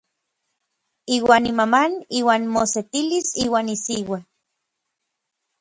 Iuan imaman iuan mosetilis iuan isiua.